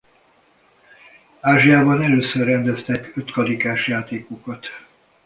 Ázsiában először rendeztek ötkarikás játékokat.